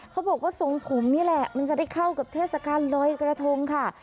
เขาบอกว่าทรงผมนี่แหละมันจะได้เข้ากับเทศกาลลอยกระทงค่ะ